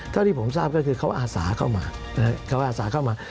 เท่าที่ผมทราบก็คือเขาอาสาเข้ามา